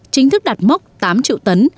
chính thức đạt mốc tám triệu tấn